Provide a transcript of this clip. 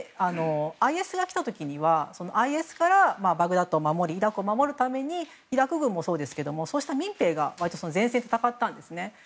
ＩＳが来た時はＩＳからバグダッドを守りイラクを守るためにイラク軍もそうですがそうした民兵が割と前線で戦ったんです。